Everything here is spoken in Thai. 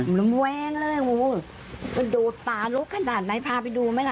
มันแวงเลยงูมันโดดป่าลุกขนาดไหนพาไปดูไหมล่ะ